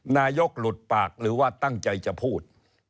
นายกหลุดปากหรือว่าตั้งใจจะพูด